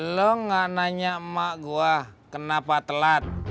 lo gak nanya emak gue kenapa telat